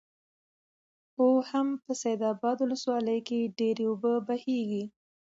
او هم په سيدآباد ولسوالۍ ډېرې اوبه بهيږي،